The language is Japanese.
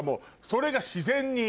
それが自然に。